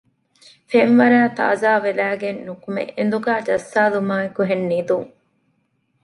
ފެންވަރައި ތާޒާވެލައިގެން ނުކުމެ އެނދުގައި ޖައްސާލުމާއެކުހެން ނިދުން